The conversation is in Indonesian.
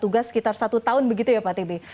tugas sekitar satu tahun begitu ya pak t b